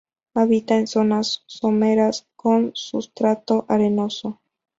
Habita en zonas someras con sustrato arenoso.